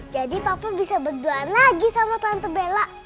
jadi papa bisa berduaan lagi sama tante bella